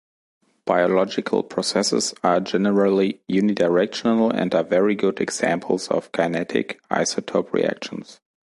Biological processes are generally unidirectional and are very good examples of "kinetic" isotope reactions.